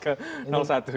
kemudian dia kembali ke satu